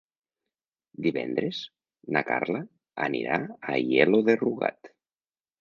Divendres na Carla anirà a Aielo de Rugat.